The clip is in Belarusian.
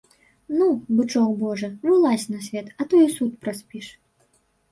Ну, бычок божы, вылазь на свет, а то і суд праспіш.